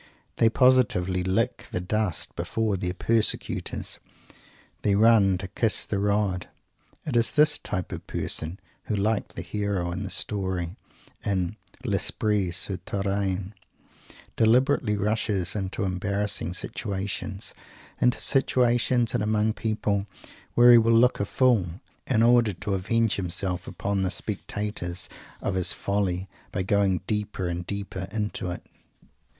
They positively lick the dust before their persecutors. They run to "kiss the rod." It is this type of person who, like the hero in that story in "L'Esprit Souterrain," deliberately rushes into embarrassing situations; into situations and among people where he will look a fool in order to avenge himself upon the spectators of his "folly" by going deeper and deeper into it.